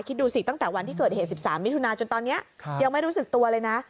คิดดูสิตั้งแต่วันที่เกิดเหตุ๑๓มิถุนาจนตอนนี้ยังไม่รู้สึกตัวเลยนะ